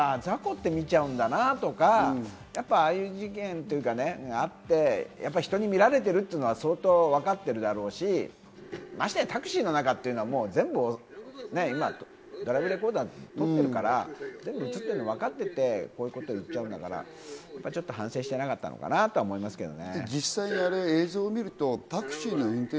ザコって、ザコって見ちゃうんだなとか、ああいう事件があって人に見られているっていうのはわかっているだろうし、ましてやタクシーの中は全部今、ドライブレコーダーで撮ってるから全部映ってるの分かってって、こういうこと言っちゃうんだから、ちょっと反省してなかったのかなと思いますけどね。